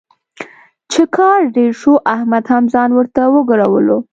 چې کار ډېر شو، احمد هم ځان ورته وګرولو.